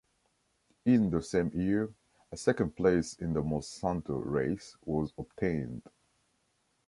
In the same year, a second place in the Monsanto race was obtained.